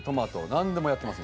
何でもやってます